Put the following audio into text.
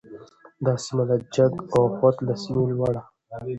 دا سیمه د چک او خوات له سیمې لوړه